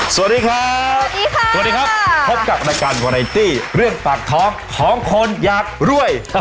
สวัสดีครับสวัสดีค่ะสวัสดีครับพบกับรายการวาไนตี้เรื่องปากท้องของคนอยากรวย